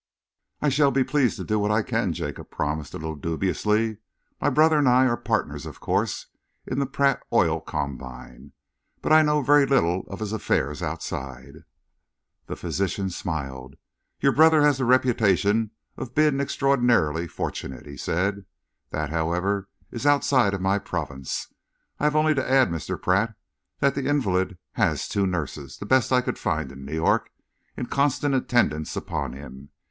"I shall be pleased to do what I can," Jacob promised, a little dubiously. "My brother and I are partners, of course, in the Pratt Oil Combine, but I know very little of his affairs outside." The physician smiled. "Your brother has the reputation of being extraordinarily fortunate," he said. "That, however, is outside my province. I have only to add, Mr. Pratt, that the invalid has two nurses, the best I could find in New York, in constant attendance upon him.